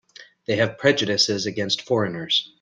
They have prejudices against foreigners.